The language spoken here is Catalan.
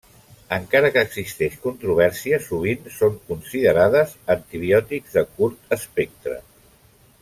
Encara que existeix controvèrsia, sovint són considerades antibiòtics de curt espectre.